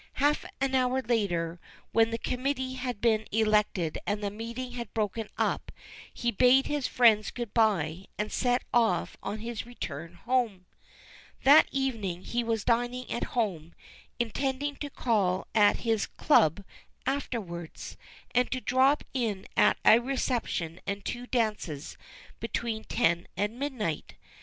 Half an hour later, when the committee had been elected and the meeting had broken up, he bade his friends good bye and set off on his return home. That evening he was dining at home, intending to call at his club afterwards, and to drop in at a reception and two dances between ten and midnight.